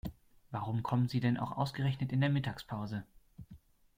Warum kommen Sie denn auch ausgerechnet in der Mittagspause?